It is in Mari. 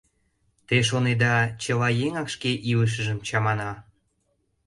— Те шонеда, чыла еҥак шке илышыжым чамана?